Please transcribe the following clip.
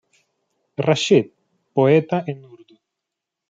Rashid, poeta en urdu.